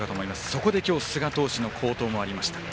そこで今日寿賀投手の好投もありました。